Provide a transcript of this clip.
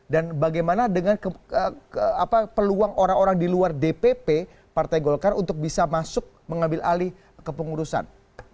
dan bagaimana dengan peluang orang orang di luar dpp partai golkar untuk bisa masuk mengambil alih ke pengurusan